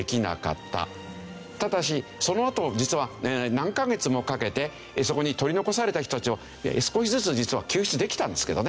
ただしそのあと実は何カ月もかけてそこに取り残された人たちを少しずつ救出できたんですけどね。